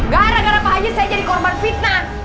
gara gara pak haji saya jadi korban fitnah